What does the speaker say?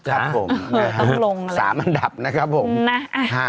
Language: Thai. ครับผมต้องลงเลยมา๓อันดับนะครับผมนะอ่า